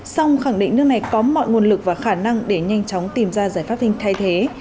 song khẳng định nước này có mọi nguồn lực và khả năng để nhanh chóng tìm ra giải pháp thay thế